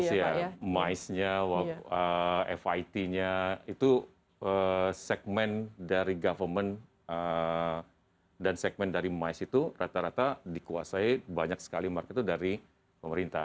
iya mice nya fit nya itu segmen dari government dan segmen dari mice itu rata rata dikuasai banyak sekali market itu dari pemerintah